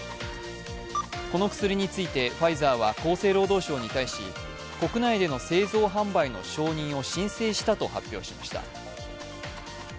この薬についてファイザーは厚生労働省に対し、国内での製造販売の承認を申請したと発表しました。